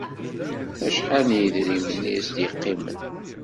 Acḥal n yedrimen i as-d-yeqqimen?